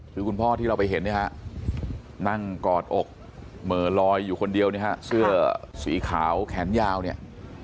คือคุณพ่อที่เราไปเห็นเนี่ยฮะนั่งกอดอกเหม่อลอยอยู่คนเดียวเนี่ยฮะเสื้อสีขาวแขนยาวเนี่ย